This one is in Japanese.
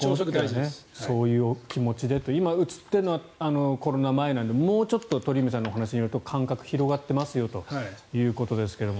そういう気持ちでと今、写っているのはコロナ前なので、もうちょっと鳥海さんのお話によると感覚が広がってますよということですが。